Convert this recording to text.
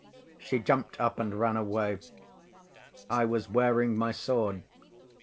She jumped up and ran away. I was wearing my sword.